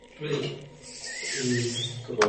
阿梓从小就很可爱